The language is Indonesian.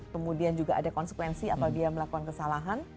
kemudian juga ada konsekuensi apabila dia melakukan kesalahan